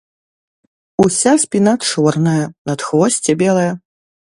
Уся спіна чорная, надхвосце белае.